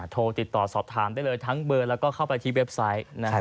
โทรติดต่อสอบถามได้เลยทั้งเบอร์แล้วก็เข้าไปที่เว็บไซต์